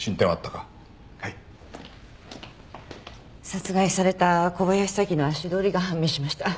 殺害された小林早紀の足取りが判明しました。